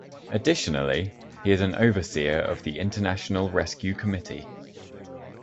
Additionally, he is an overseer of the International Rescue Committee.